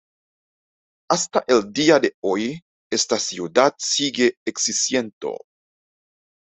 Hasta el día de hoy, esta ciudad sigue existiendo.